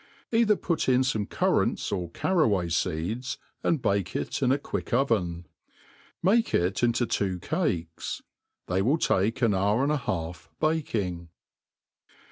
Either put in fome currants or carraway feeds, and bake it in a quick oven. Make it into two cakes. They will take an hour and a half baking.